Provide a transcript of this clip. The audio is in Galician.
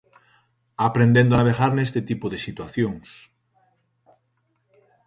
Aprendendo a navegar neste tipo de situacións.